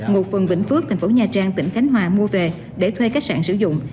một phần vĩnh phước thành phố nha trang tỉnh khánh hòa mua về để thuê khách sạn sử dụng